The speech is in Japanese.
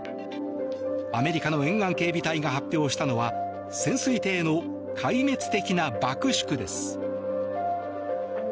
アメリカの沿岸警備隊が発表したのは潜水艇の壊滅的な爆縮です。